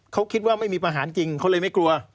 เขาคิดว่าไม่มีประหารจริงเขาเลยไม่กลัว